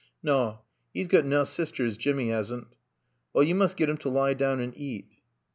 "Naw; 'e's got naw sisters, Jimmy 'assn't." "Well, you must get him to lie down and eat."